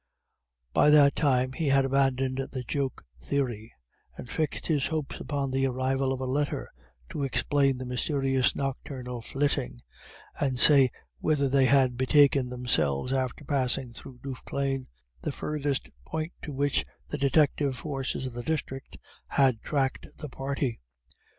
By that time he had abandoned the joke theory, and fixed his hopes upon the arrival of a letter to explain the mysterious nocturnal flitting, and say whither they had betaken themselves after passing through Duffclane, the furthest point to which the detective forces of the district had tracked the party.